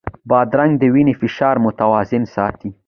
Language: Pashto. بادرنګ د وینې فشار متوازن ساتي.